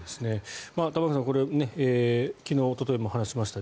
玉川さん、昨日おとといも話しました